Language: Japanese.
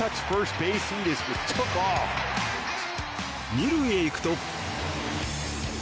２塁へ行くと。